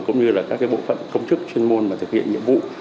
cũng như các bộ phận công chức chuyên môn và thực hiện nhiệm vụ